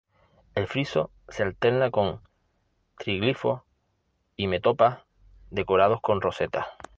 El friso se alterna con triglifos y metopas decorados con rosetas.